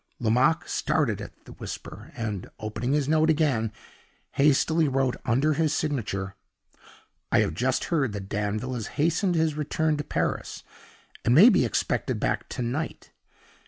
Lomaque started at the whisper, and, opening his note again, hastily wrote under his signature: "I have just heard that Danville has hastened his return to Paris, and may be expected back to night."